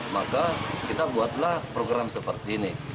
maka kita buatlah program seperti ini